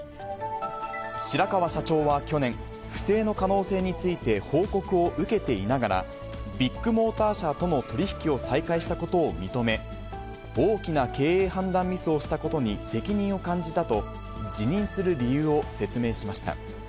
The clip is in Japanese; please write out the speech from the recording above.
白川社長は去年、不正の可能性について報告を受けていながら、ビッグモーター社との取り引きを再開したことを認め、大きな経営判断ミスをしたことに責任を感じたと、辞任する理由を説明しました。